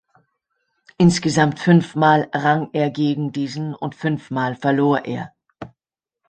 Insgesamt fünfmal rang er gegen diesen und fünfmal verlor er.